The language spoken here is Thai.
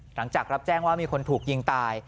หลังจากรับแจ้งว่ามีคนถูกยิงตาย